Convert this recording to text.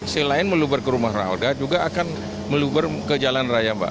selain melubur ke rumah rawda juga akan melubur ke jalan raya